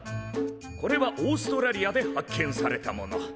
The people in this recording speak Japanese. これはオーストラリアで発見されたもの。